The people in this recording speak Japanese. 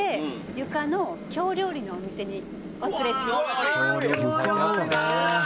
「床の京料理のお店にお連れします」